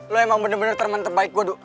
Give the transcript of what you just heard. lu emang bener bener teman terbaik gua du